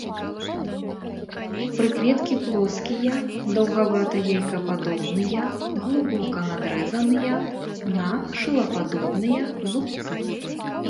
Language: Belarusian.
Прыкветкі плоскія, даўгавата-яйкападобныя, глыбока надрэзаныя на шылападобныя зубцы.